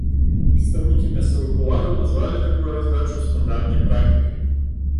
Прадстаўнікі мясцовых уладаў назвалі такую раздачу стандартнай практыкай.